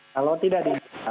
kalau tidak diingat